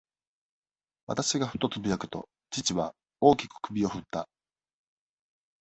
私がふとつぶやくと、父は、大きく首をふった。